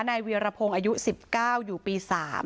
เวียรพงศ์อายุ๑๙อยู่ปี๓